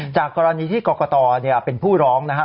จากกรณีที่กรกฎอเนี่ยเป็นผู้ร้องนะฮะ